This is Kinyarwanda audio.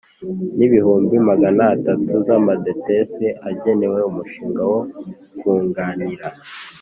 N Ibihumbi Magana Atatu Z Amadetesi Agenewe Umushinga Wo Kunganira